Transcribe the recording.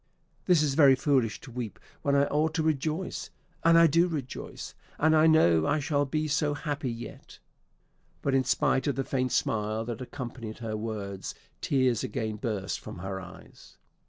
"This is very foolish to weep when I ought to rejoice and I do rejoice and I know I shall be so happy yet!" but in spite of the faint smile that accompanied her words, tears again burst from her eyes.